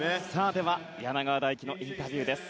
では、柳川大樹のインタビューです。